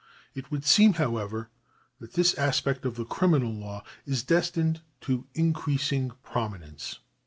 It would seem, however, that this aspect of the criminal law is destined to increasing prominence.